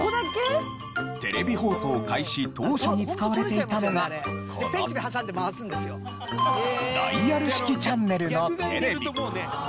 テレビ放送開始当初に使われていたのがこのダイヤル式チャンネルのテレビ。